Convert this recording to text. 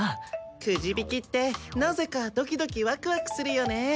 クジ引きってなぜかドキドキワクワクするよね。